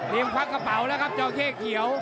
เรียมควักกระเป๋าแล้วครับเจ้าเค้กเขียว